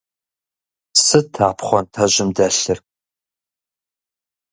Сыт а пхъуантэжьым дэлъыр?